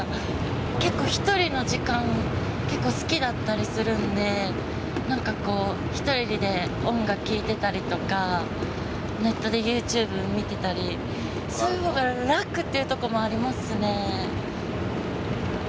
結構１人の時間好きだったりするんで何かこう１人で音楽聞いてたりとかネットでＹｏｕＴｕｂｅ見てたりする方が楽っていうとこもありますね。